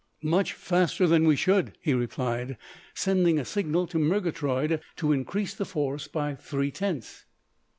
"Much faster than we should," he replied, sending a signal to Murgatroyd to increase the force by three tenths.